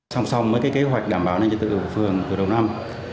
song song với kế hoạch đảm bảo nâng chế tự của phường từ đầu năm